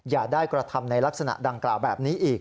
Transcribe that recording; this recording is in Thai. อย่าได้กระทำในลักษณะดังกล่าวแบบนี้อีก